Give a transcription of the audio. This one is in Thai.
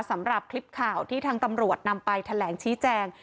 สำหรับคลิปข่าวที่ทางตำรวจนำไปแถลงชี้แจง